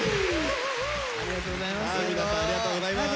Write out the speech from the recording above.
ありがとうございます。